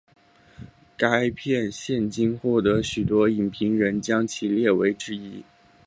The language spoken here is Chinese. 该片现今获得许多影评人将其列为之一。